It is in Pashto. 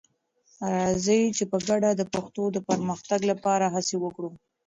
راځئ چې په ګډه د پښتو د پرمختګ لپاره هڅې وکړو.